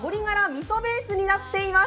みそベースになっています。